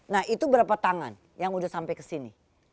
nah itu berapa tangan yang udah sampai ke sini